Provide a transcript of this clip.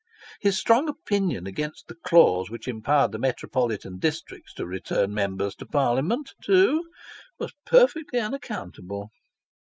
His strong opinion against the clause which empowered the metropolitan districts to return Members to Parliament, too, was perfectly unaccountable.